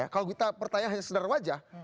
kalau kita bertanya hanya sedar wajah